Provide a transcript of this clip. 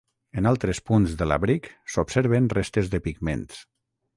En altres punts de l'abric s'observen restes de pigments.